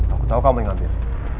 aku tahu kamu yang ngambil